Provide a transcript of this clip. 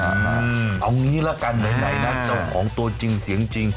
เอางี้ละกันไหนนะเจ้าของตัวจริงเสียงจริง